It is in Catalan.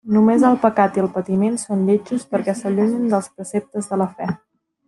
Només el pecat i el patiment són lletjos perquè s'allunyen dels preceptes de la fe.